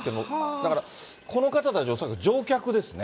だからこの方たち、恐らく乗客ですね。